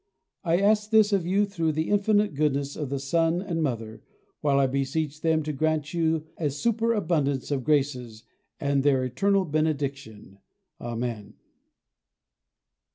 I ask this of you through the infinite goodness of the Son and Mother, while I beseech them to grant you a superabundance of graces and their eternal benediction. Amen.